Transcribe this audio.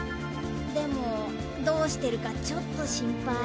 でもどうしてるかちょっとしんぱい。